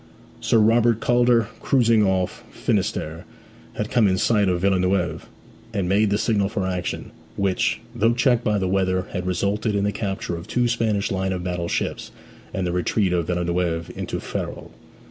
Sir Robert Calder, cruising off Finisterre, had come in sight of Villeneuve, and made the signal for action, which, though checked by the weather, had resulted in the capture of two Spanish line of battle ships, and the retreat of Villeneuve into Ferrol.